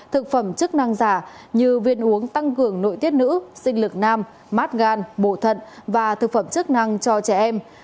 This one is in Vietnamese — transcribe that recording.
thực phẩm chức năng giả như viên uống tăng cường nội tiết nữ sinh lực nam mát gan bổ thận và thực phẩm chức năng cho trẻ em